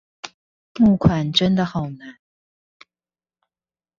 募款真的好難